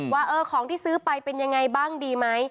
ว่าของที่ซื้อไปเป็นยังไงบ้างดีไหม